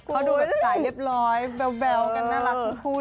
เค้าดูไฟล์ฟเรียบร้อยเบลกันน่ารักทุกคู่เลย